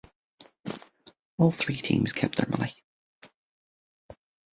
All three teams kept their money.